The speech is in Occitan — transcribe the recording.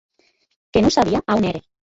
Que non sabia a on ère.